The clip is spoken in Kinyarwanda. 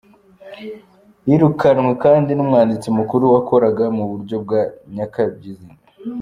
Hirukanwe kandi n'umwanditsi mukuru wakoraga mu buryo bwa nyakabyizi.